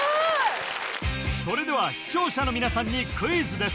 それでは視聴者の皆さんにクイズです